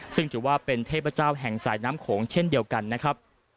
ซึ่งถือว่าเป็นเทพเจ้าแห่งสายน้ำโขงเช่นเดียวกันนะครับ